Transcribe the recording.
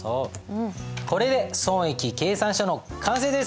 これで損益計算書の完成です。